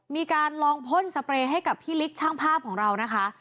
มีการลองพ่นสเปรย์ให้กับพี่ลิกช่างภาพของเรานะคะ